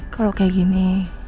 kalau kayak gini